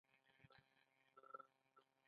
هند هیڅکله نه دریږي.